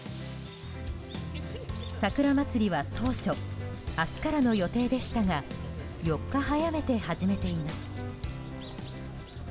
桜まつりは当初、明日からの予定でしたが４日早めて始めています。